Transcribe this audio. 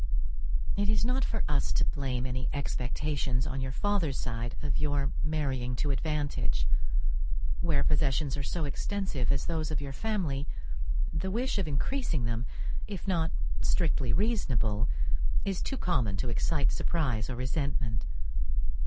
It is not for us to blame any expectations on your father's side of your marrying to advantage; where possessions are so extensive as those of your family, the wish of increasing them, if not strictly reasonable, is too common to excite surprize or resentment.